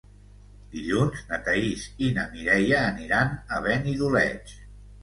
Dilluns na Thaís i na Mireia aniran a Benidoleig.